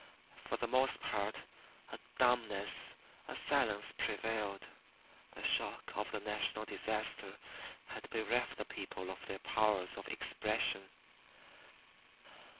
For the most part a dumbness, a silence prevailed. The shock of the national disaster had bereft the people of their powers of expression.